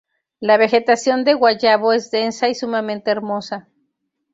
La vegetación de Guayabo es densa y sumamente hermosa.